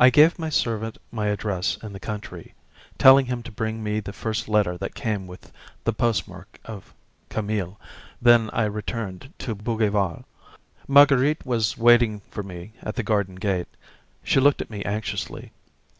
I gave my servant my address in the country, telling him to bring me the first letter that came with the postmark of C., then I returned to Bougival. Marguerite was waiting for me at the garden gate. She looked at me anxiously.